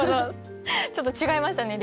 ちょっと違いましたね